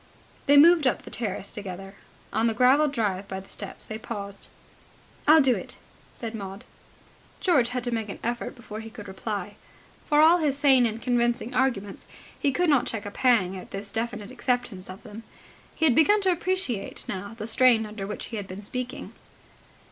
They moved up the terrace together. On the gravel drive by the steps they paused. "I'll do it!" said Maud. George had to make an effort before he could reply. For all his sane and convincing arguments, he could not check a pang at this definite acceptance of them. He had begun to appreciate now the strain under which he had been speaking.